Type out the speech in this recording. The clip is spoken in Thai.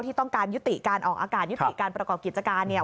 ที่ต้องการยุติการออกอากาศยุติการประกอบกิจการเนี่ย